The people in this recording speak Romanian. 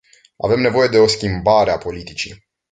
Avem nevoie de o schimbare a politicii.